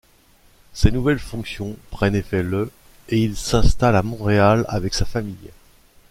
Ses nouvelles fonctions prennent effet le et il s'installe à Montréal avec sa famille.